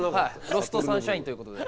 ロストサンシャインということで。